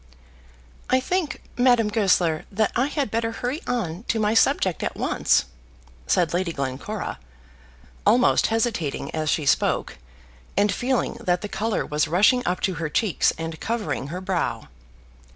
"I think, Madame Goesler, that I had better hurry on to my subject at once," said Lady Glencora, almost hesitating as she spoke, and feeling that the colour was rushing up to her cheeks and covering her brow.